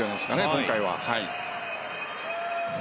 今回は。